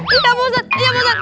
ih tak boset iya boset